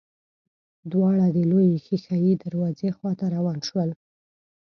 دواړه د لويې ښېښه يي دروازې خواته روان شول.